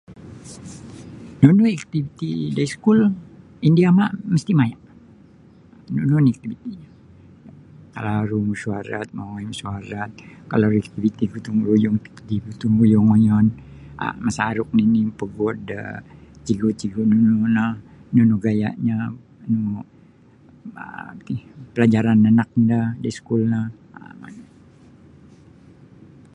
Nunu iktiviti da iskul indu yama misti maya nunu oni iktiviti kalau aru mesuarat mongoi mesuarat kalau iktiviti gutung ruyung iktiviti gutung ruyung ngoyon um masaruk nini mampaguod da cigu-cigu nunu no nunu gaya'nyo um bah iti palajaran anaknyo da iskul no um manu.